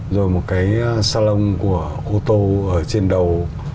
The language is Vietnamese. rồi một cái salon của ô tô ở trên đầu